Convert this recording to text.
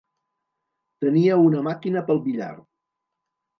Tenia una màquina pel billar.